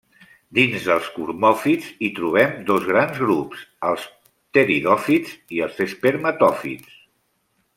Dins dels cormòfits hi trobem dos grans grups: els pteridòfits i els espermatòfits.